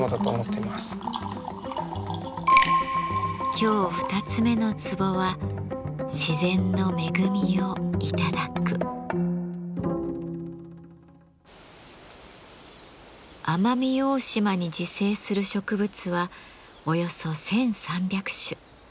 今日二つ目のツボは奄美大島に自生する植物はおよそ１，３００種。